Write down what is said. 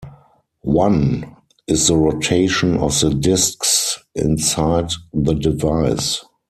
One is the rotation of the disks inside the device.